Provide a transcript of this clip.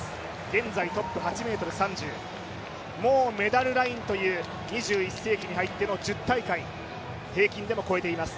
現在トップ８ｍ３０、もうメダルラインという２１世紀に入っての１０大会平均でも越えています。